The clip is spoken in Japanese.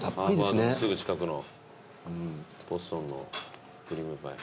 すぐ近くのボストンのクリームパイ。